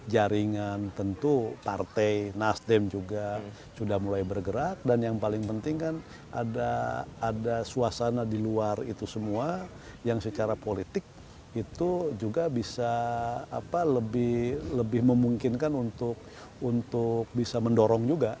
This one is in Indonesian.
jaringan tentu partai nasdem juga sudah mulai bergerak dan yang paling penting kan ada suasana di luar itu semua yang secara politik itu juga bisa lebih memungkinkan untuk bisa mendorong juga